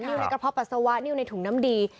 ในกระเพาะปัสสาวะนิ้วในถุงน้ำดี